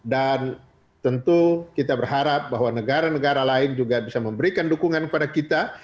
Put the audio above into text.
dan tentu kita berharap bahwa negara negara lain juga bisa memberikan dukungan kepada kita